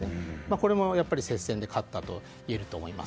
これも接戦で勝ったといえると思います。